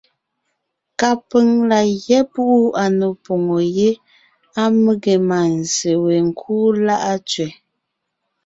Kapʉ̀ŋ la gyɛ́ púʼu à nò poŋo yé á mege mânzse we ńkúu Láʼa Tsẅɛ.